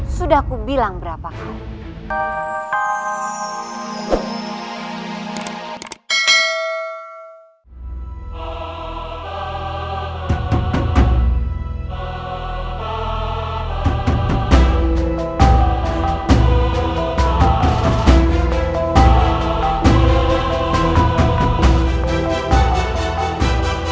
sudah kubilang berapakah